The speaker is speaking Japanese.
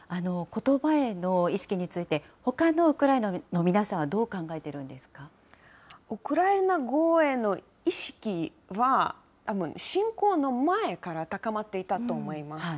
ことばへの意識について、ほかのウクライナの皆さウクライナ語への意識は、たぶん、侵攻の前から高まっていたと思います。